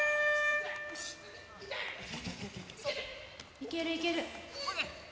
いける、いける。